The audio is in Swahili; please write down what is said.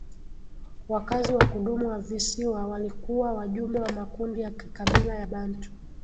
Wakazi wa kudumu wa visiwa walikuwa wajumbe wa makundi ya kikabila ya Bantu